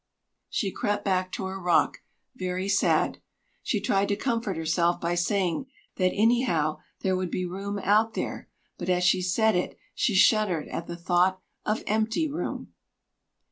She crept back to her rock very sad. She tried to comfort herself by saying that anyhow there would be room out there; but as she said it she shuddered at the thought of empty room.